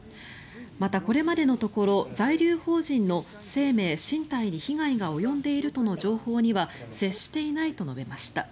またこれまでのところ在留邦人の生命・身体に被害が及んでいるとの情報には接していないと述べました。